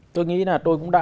tôi nghĩ là tôi cũng đã